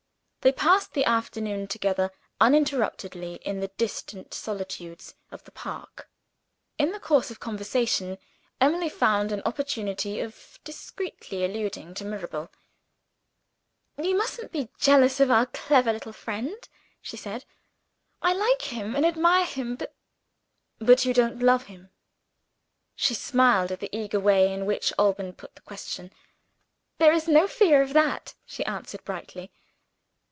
They passed the afternoon together uninterruptedly in the distant solitudes of the park. In the course of conversation Emily found an opportunity of discreetly alluding to Mirabel. "You mustn't be jealous of our clever little friend," she said; "I like him, and admire him; but " "But you don't love him?" She smiled at the eager way in which Alban put the question. "There is no fear of that," she answered brightly.